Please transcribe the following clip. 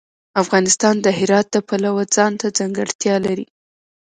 افغانستان د هرات د پلوه ځانته ځانګړتیا لري.